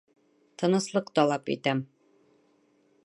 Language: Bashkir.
Тыныслыҡ талап итәм!